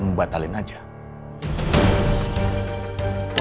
kenapa gak dihentikan aja no